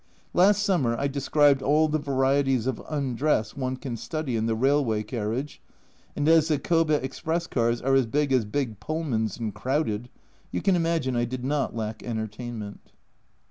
Last summer I described all the varieties of undress one can study in the railway carriage, and as the Kobe express cars are as big as big Pullmans and crowded, you can imagine I did not lack entertainment.